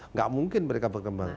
tidak mungkin mereka berkembang